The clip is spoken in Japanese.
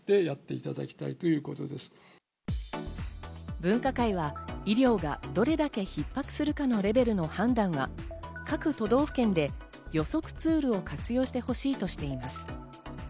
分科会は医療がどれだけ逼迫するかのレベルの判断は各都道府県で予測ツールを活用してほしいとしています。